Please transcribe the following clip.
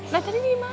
nah tadi ini mana